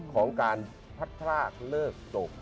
ของการพัดพรากเลิกตก